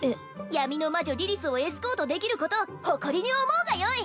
闇の魔女リリスをエスコートできること誇りに思うがよい！